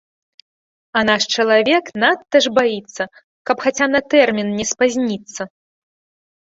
А наш чалавек надта ж баіцца, каб хаця на тэрмін не спазніцца.